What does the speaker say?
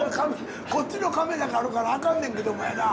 こっちのカメラがあるからあかんねんけどもやな。